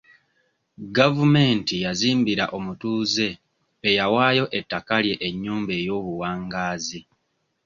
Gavumenti yazimbira omutuuze eyawaayo ettaka lye enyumba ey'obuwangaazi .